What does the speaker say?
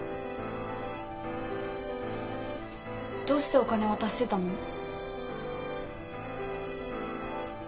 どうしてお金渡してたの？